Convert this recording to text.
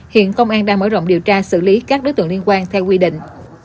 hiện công an đang mở rộng điều tra xử lý các đối tượng liên quan theo quy định